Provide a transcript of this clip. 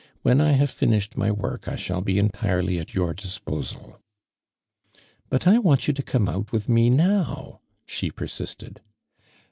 When I have finished my work, [ shall be entirely at your dispoeal." '' But I want you to come out with me now," she persisted.